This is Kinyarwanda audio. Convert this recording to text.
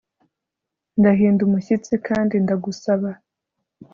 Ndahinda umushyitsi kandi ndagusaba